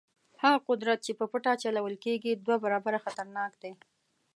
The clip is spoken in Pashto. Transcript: هغه قدرت چې په پټه چلول کېږي دوه برابره خطرناک دی.